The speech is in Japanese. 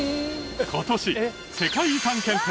今年世界遺産検定